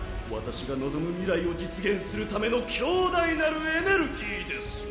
私が望む未来を実現するための強大なるエネルギーです。